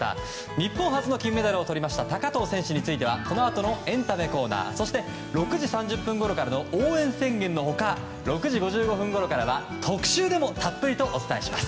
日本初の金メダルをとりました高藤選手についてはこのあとのエンタメコーナーそして６時３０分ごろからの応援宣言の他６時５５分ごろからは特集でもたっぷりお伝えします。